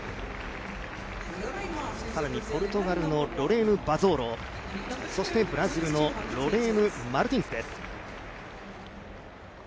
ポルトガルのロレーヌ・バゾーロブラジルのロレーヌ・マルティンスです。